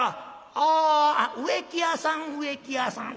「ああ植木屋さん植木屋さん。